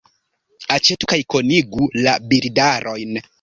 Aĉetu kaj konigu la bildarojn.